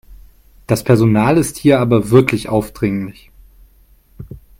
Das Personal ist hier aber wirklich aufdringlich.